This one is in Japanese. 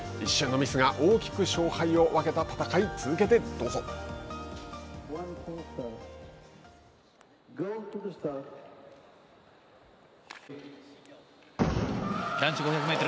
１周のミスが大きく勝敗を分けた戦い続けてどうぞ。